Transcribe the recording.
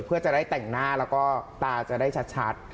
เพื่อจะได้แต่งหน้าแล้วก็ตาจะได้ชัด